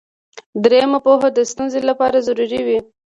دریمه پوهه د ستونزې لپاره ضروري وي.